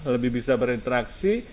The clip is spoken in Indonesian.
lebih bisa berinteraksi